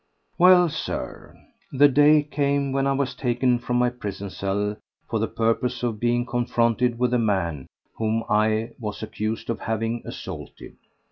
Well, Sir, the day came when I was taken from my prison cell for the purpose of being confronted with the man whom I was accused of having assaulted.